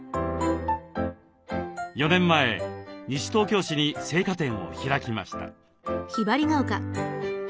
４年前西東京市に生花店を開きました。